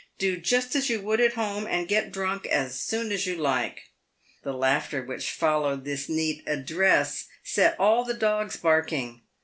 Do just as you would at home, and get drunk as soon as you like." The laughter which followed this neat address set all the dogs barking.